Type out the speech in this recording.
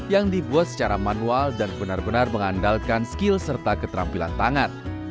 yang dibuat secara manual dan benar benar mengandalkan skill serta keterampilan tangan